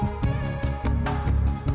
si diego udah mandi